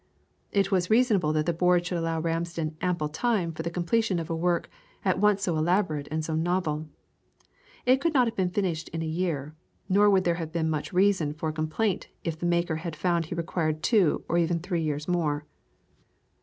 It was reasonable that the board should allow Ramsden ample time for the completion of a work at once so elaborate and so novel. It could not have been finished in a year, nor would there have been much reason for complaint if the maker had found he required two or even three years more.